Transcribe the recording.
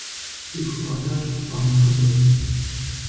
Сигу фыкъэкӀащ сылӀэным хуэдэу!